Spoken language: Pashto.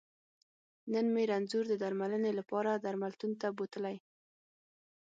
نن مې رنځور د درمنلې لپاره درملتون ته بوتلی